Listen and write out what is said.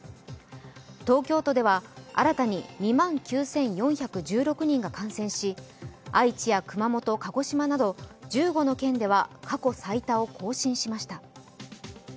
東京都では新たに２万９４１６人が感染し愛知や熊本、鹿児島など１５の県では過去最多を更新しました。